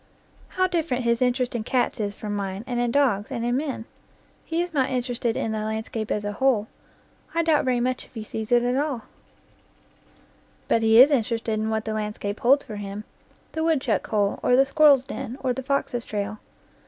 How different his interest in cats is from mine, and in dogs, and in men ! He is not interested in the landscape as a whole : I doubt very much if he sees it at all; but he is interested hi what the landscape holds for him the woodchuck hole, or the squir rel's den, or the fox's trail.